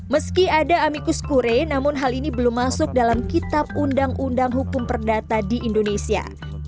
meski ada amikus kure namun hal ini belum masuk dalam kitab undang undang hukum perdata di indonesia